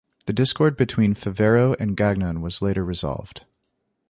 The discord between Favero and Gagnon was later resolved.